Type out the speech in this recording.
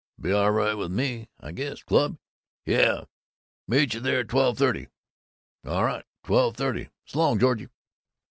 "Be all right with me, I guess. Club?" "Yuh. Meet you there twelve thirty." "A' right. Twelve thirty. S' long, Georgie."